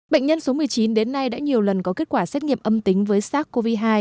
bệnh nhân số một mươi chín đến nay đã nhiều lần có kết quả xét nghiệm âm tính với sars cov hai